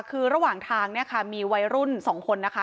คือระหว่างทางเนี่ยค่ะมีวัยรุ่น๒คนนะคะ